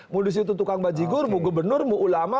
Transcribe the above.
mu disitu tukang bajigur mu gubernur mu ulama